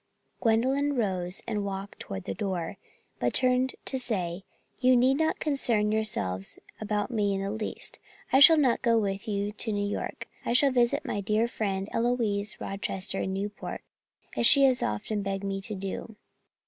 Gwendolyn rose and walked toward the door, but turned to say, "You need not concern yourselves about me in the least. I shall not go with you to New York. I shall visit my dear friend Eloise Rochester in Newport, as she has often begged me to do."